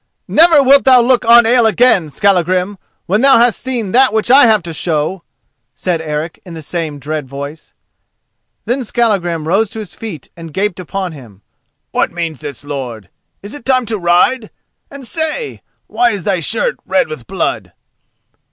"Never wilt thou look on ale again, Skallagrim, when thou hast seen that which I have to show!" said Eric, in the same dread voice. Then Skallagrim rose to his feet and gaped upon him. "What means this, lord? Is it time to ride? and say! why is thy shirt red with blood?"